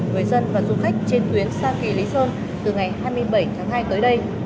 người dân và du khách trên tuyến sa kỳ lý sơn từ ngày hai mươi bảy tháng hai tới đây